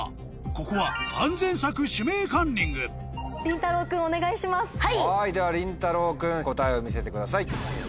ここは安全策「指名カンニング」ではりんたろう君答えを見せてください。